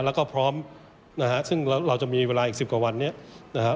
แล้วก็พร้อมนะฮะซึ่งเราจะมีเวลาอีกสิบกว่าวันนี้นะครับ